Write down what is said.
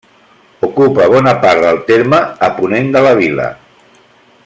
Ocupa bona part del terme a ponent de la vila.